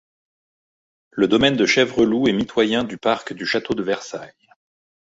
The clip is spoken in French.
Le domaine de Chèvreloup est mitoyen du parc du château de Versailles.